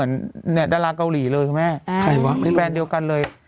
แบบนี้ได้ลาเกาหลีเลยคับแม่แบนเดียวกันเลย